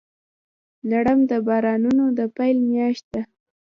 لړم د بارانونو د پیل میاشت ده.